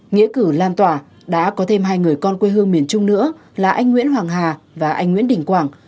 nghĩa cử lan tỏa đã có thêm hai người con quê hương miền trung nữa là anh nguyễn hoàng hà và anh nguyễn đình quảng